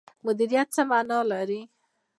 مدیریت څه مانا لري؟